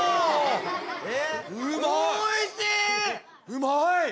うまい！